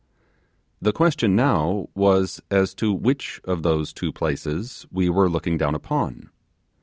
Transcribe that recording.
The question now was as to which of those two places we were looking down upon.